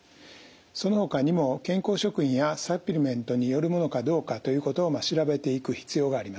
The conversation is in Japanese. そのほかにも健康食品やサプリメントによるものかどうかということを調べていく必要があります。